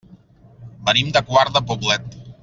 Venim de Quart de Poblet.